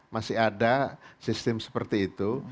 masih ada sistem seperti itu